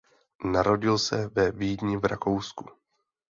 Narodil se ve Vídni v Rakousku.